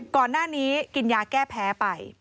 ก่อนหน้านี้กินยาแก้แพ้ไป